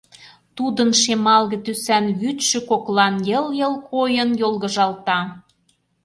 тудын шемалге тӱсан вӱдшӧ коклан йыл-йыл койын йолгыжалта.